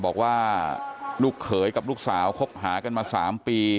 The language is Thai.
บอกว่าลูกเขยกับลูกสาวคบหากันมา๓ปี